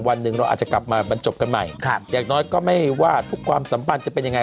วันหนึ่งเราอาจจะกลับมาบรรจบกันใหม่อย่างน้อยก็ไม่ว่าทุกความสัมพันธ์จะเป็นยังไง